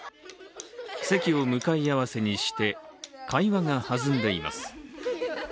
席を向かい合わせにして会話が弾んでいます。